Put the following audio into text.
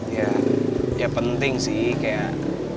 ya penting sih kayak